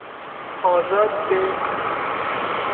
آزاد به